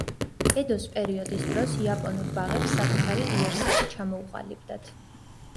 ედოს პერიოდის დროს იაპონურ ბაღებს საკუთარი იერსახე ჩამოუყალიბდათ.